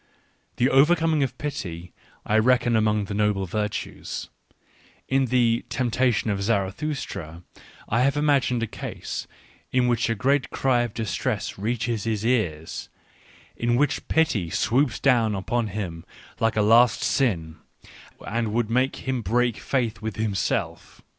The overcoming of pity I reckon among the noble virtuesj In the " Temptation of Zarathustra " I have imagined a case, in which a great cry of distress reaches his ears, in which pity swoops down upon him like a last sin, and would make him break faith with himself.